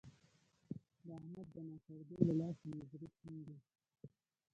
د احمد د ناکړدو له لاسه مې زړه شين دی.